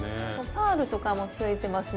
パールとかもついてますね。